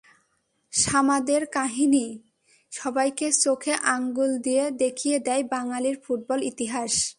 সামাদের কাহিনি সবাইকে চোখে আঙুল দিয়ে দেখিয়ে দেয় বাঙালির ফুটবল ইতিহাস।